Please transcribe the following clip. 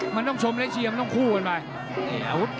มันต้องชมและเชียร์มันต้องคู่กันไป